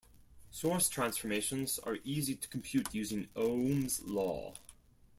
Source transformations are easy to compute using Ohm's law.